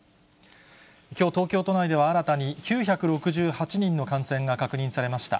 きょう、東京都内では新たに９６８人の感染が確認されました。